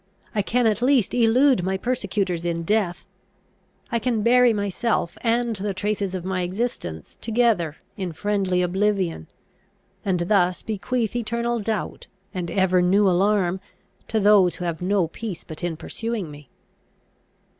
I can at least elude my persecutors in death. I can bury myself and the traces of my existence together in friendly oblivion; and thus bequeath eternal doubt, and ever new alarm, to those who have no peace but in pursuing me!"